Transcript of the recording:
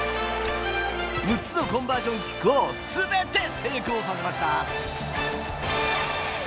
６つのコンバージョンキックをすべて成功させました！